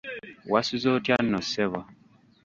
Wasuze otya nno ssebo?